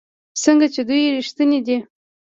ځکه چې دوی ریښتیني دي.